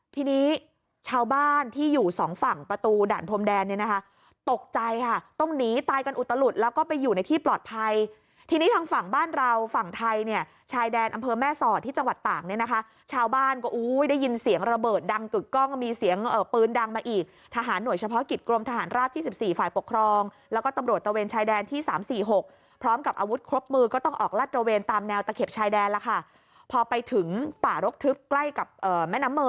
ที่นี้ชาวบ้านที่อยู่สองฝั่งประตูด่านพรมแดนเนี่ยนะคะตกใจค่ะต้องหนีตายกันอุตลุษแล้วก็ไปอยู่ในที่ปลอดภัยที่นี้ทางฝั่งบ้านเราฝั่งไทยเนี่ยชายแดนอำเภอแม่ศรที่จังหวัดต่างเนี่ยนะคะชาวบ้านก็ได้ยินเสียงระเบิดดังตึกกล้องมีเสียงปืนดังมาอีกทหารหน่วยเฉพาะกิจกรมทหารราชที่๑๔ฝ่ายปกคร